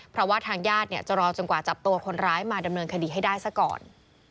เพราะว่าทางญาติจะรอจนกว่าจับตัวคนร้ายมาดำเนินคดีให้ได้ซะก่อน